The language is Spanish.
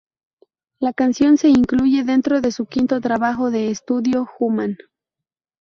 La canción se incluye dentro de su quinto trabajo de estudio "Human".